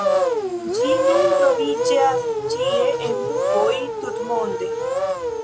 Ĝi nun troviĝas ĉie en urboj tutmonde.